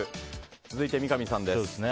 続いて、三上さん。